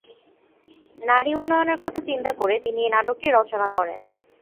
নারী উন্নয়নের কথা চিন্তা করে তিনি এই নাটকটি রচনা করেন।